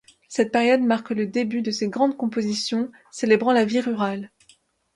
Cette période marque le début de ses grandes compositions célébrant la vie rurale.